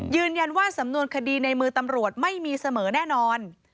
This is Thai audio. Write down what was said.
ยืนยันว่าสำนวนคดีในมือตำรวจไม่มีเสมอแน่นอน